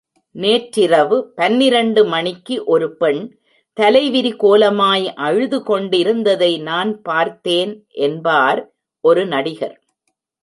நேற்றிரவு பனிரண்டு மணிக்கு ஒருபெண் தலைவிரிகோலமாய் அழுது கொண்டிருந்ததை நான் பார்த்தேன் என்பார் ஒரு நடிகர்.